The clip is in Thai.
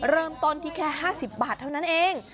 เริ่มต้นที่แค่๕๐บาทเท่านั้นเอง